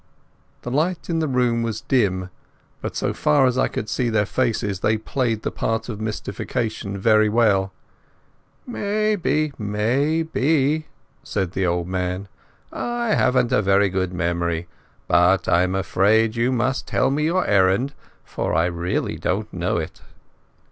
The light in the room was dim, but so far as I could see their faces, they played the part of mystification very well. "Maybe, maybe," said the old man. "I haven't a very good memory, but I'm afraid you must tell me your errand, sir, for I really don't know it."